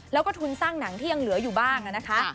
แล้วก็ทุนสร้างหนังที่ยังเหลืออยู่บ้างนะคะ